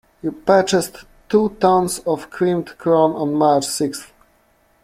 You purchased two tons of creamed corn on March sixth.